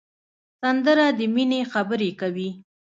سندره د مینې خبرې کوي